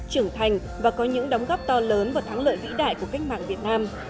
trưởng thành và có những đóng góp to lớn và thắng lợi vĩ đại của cách mạng việt nam